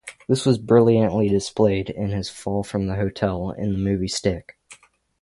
This was brilliantly displayed in his fall from the hotel in the movie "Stick".